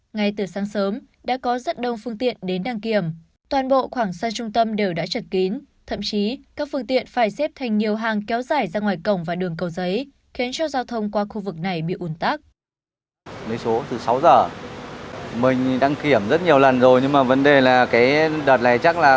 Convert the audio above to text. ngay từ sáng sớm đã có rất đông phương tiện đến đăng kiểm toàn bộ khoảng xe trung tâm đều đã chật kín thậm chí các phương tiện phải xếp thành nhiều hàng kéo dài ra ngoài cổng và đường cầu giấy khiến cho giao thông qua khu vực này bị ủn tắc